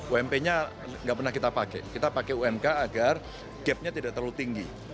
ump nya nggak pernah kita pakai kita pakai umk agar gapnya tidak terlalu tinggi